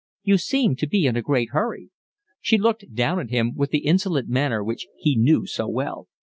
"You seem to be in a great hurry." She looked down at him with the insolent manner which he knew so well.